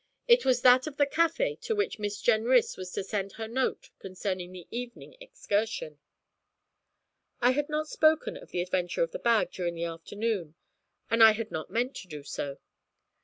It was that of the café to which Miss Jenrys was to send her note concerning the evening excursion. I had not spoken of the adventure of the bag during the afternoon, and I had not meant to do so.